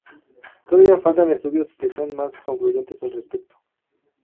Todavía faltan estudios que sean más concluyentes al respecto.